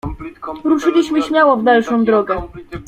"Ruszyliśmy śmiało w dalszą drogę."